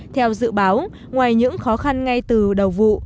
theo dự báo ngoài những khó khăn ngay từ đầu vụ